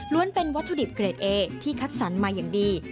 เป็นวัตถุดิบเกรดเอที่คัดสรรมาอย่างดี